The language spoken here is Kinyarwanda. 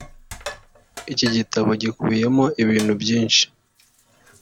Iki gitabo gikubiyemo ibintu byinshi